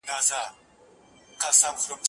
نه سره لمبه، نه پروانه سته زه به چیري ځمه